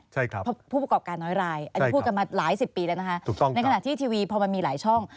เพราะผู้ประกอบการน้อยรายอันนี้พูดกันมาหลายสิบปีแล้วนะคะในขณะที่ทีวีพอมันมีหลายช่อง